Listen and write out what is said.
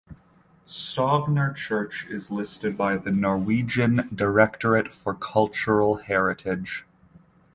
Stovner Church is listed by the Norwegian Directorate for Cultural Heritage.